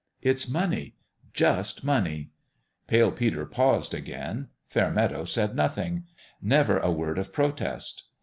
It's money just money." Pale Peter paused again. Fairmeadow said nothing never a word of protest.